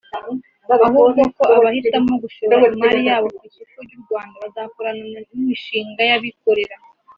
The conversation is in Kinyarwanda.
ahubwo ko abahitamo gushora imari yabo ku isoko ry’u Rwanda bazakorana n’imishinga y’abikorera